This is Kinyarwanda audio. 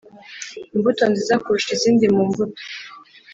Imbuto nziza kurusha izindi mu mbuto